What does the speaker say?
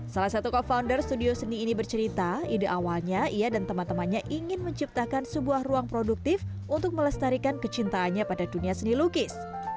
salah satu co founder studio seni ini bercerita ide awalnya ia dan teman temannya ingin menciptakan sebuah ruang produktif untuk melestarikan kecintaannya pada dunia seni lukis